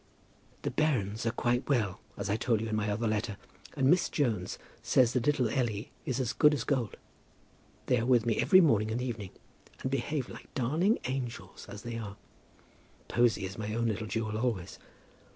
The bairns are quite well, as I told you in my other letter, and Miss Jones says that little Elly is as good as gold. They are with me every morning and evening, and behave like darling angels, as they are. Posy is my own little jewel always.